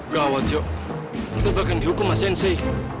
gawat yoke kita bahkan dihukum sama sensei